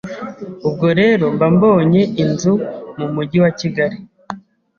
ubwo rero mba mbonye inzu mu mujyi wa Kigali